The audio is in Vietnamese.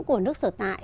của nước sở tại